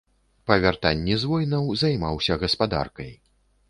Па вяртанні з войнаў займаўся гаспадаркай.